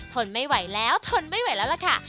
ทนไม่ไหวแล้วทนไม่ไหวแล้วล่ะค่ะ